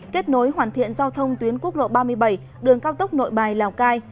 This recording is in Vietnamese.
kết nối hoàn thiện giao thông tuyến quốc lộ ba mươi bảy đường cao tốc nội bài lào cai